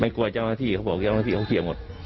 กลัวเจ้าหน้าที่เขาบอกเจ้าหน้าที่เขาเคลียร์หมด